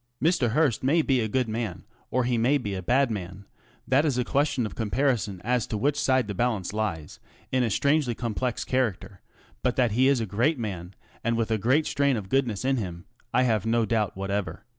Mr. Heart may be a good man or he may be a bad man ŌĆö tha is a question of comparison as to which side th balance lies in a strangely complex character ŌĆö bi that he is a great man, and with a great strain c goodness in him, I have no doubt whatever."